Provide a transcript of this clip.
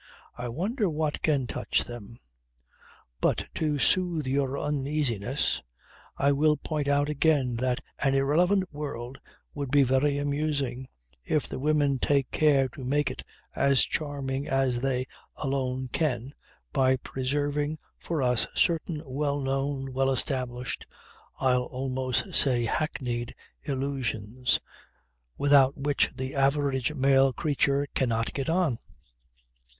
I wonder what can touch them? But to soothe your uneasiness I will point out again that an Irrelevant world would be very amusing, if the women take care to make it as charming as they alone can, by preserving for us certain well known, well established, I'll almost say hackneyed, illusions, without which the average male creature cannot get on.